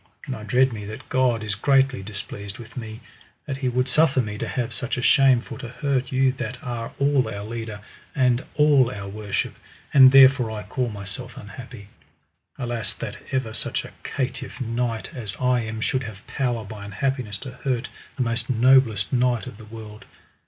And I dread me that God is greatly displeased with me, that he would suffer me to have such a shame for to hurt you that are all our leader, and all our worship; and therefore I call myself unhappy. Alas that ever such a caitiff knight as I am should have power by unhappiness to hurt the most noblest knight of the world.